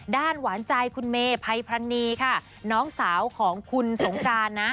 หวานใจคุณเมภัยพรรณีค่ะน้องสาวของคุณสงการนะ